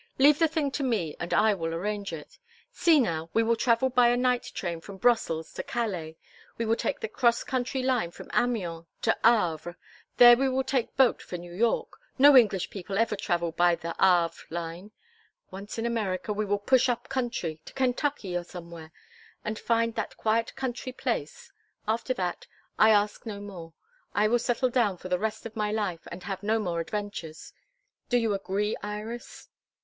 Leave the thing to me and I will arrange it. See now, we will travel by a night train from Brussels to Calais. We will take the cross country line from Amiens to Havre; there we will take boat for New York no English people ever travel by the Havre line. Once in America we will push up country to Kentucky or somewhere and find that quiet country place: after that I ask no more. I will settle down for the rest of my life, and have no more adventures. Do you agree, Iris?"